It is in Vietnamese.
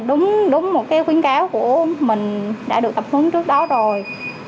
đúng một khuyến cáo của mình đã được tập hướng trước đó rồi